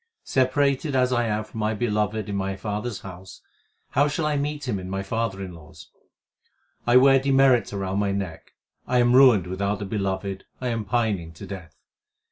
Separated as I am from my Beloved in my father s house, how shall I meet him in my father in law s ? I wear demerits round my neck ; I am ruined without the Beloved ; I am pining to death.